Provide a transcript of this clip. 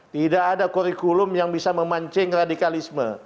tidak ada kurikulum yang bisa memancing radikalisme